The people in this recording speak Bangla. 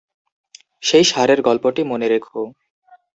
সেই ষাঁড়ের গল্পটি মনে রেখ।